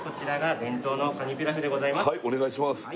はいお願いします